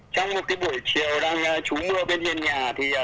trong một cái buổi chiều đang trú mưa bên bên nhà